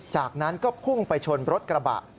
จากนั้นก็พุ่งไปชนรถกระบะ